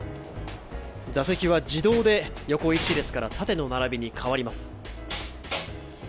座席は自動で横１列から縦の並びに変わります。